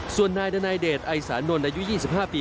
ส่วนนายดนายเดชไอสานนท์อายุ๒๕ปี